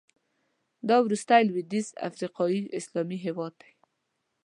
دا وروستی لوېدیځ افریقایي اسلامي هېواد دی.